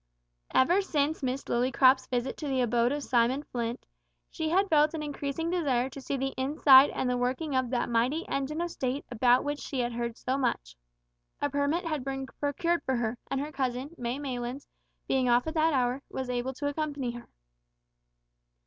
Ever since Miss Lillycrop's visit to the abode of Solomon Flint, she had felt an increasing desire to see the inside and the working of that mighty engine of State about which she had heard so much. A permit had been procured for her, and her cousin, May Maylands, being off duty at that hour, was able to accompany her.